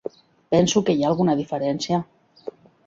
Penso que hi ha alguna diferència.